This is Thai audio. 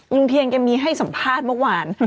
ลุงเทียนแกมีให้สัมภาษณ์เมื่อวาน